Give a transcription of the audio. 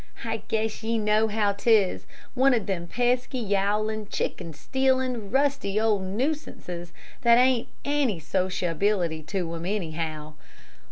I guess ye know how 't is one of them pesky, yowlin', chicken stealin', rusty old nuisances that hain't any sociability to 'em, anyhow.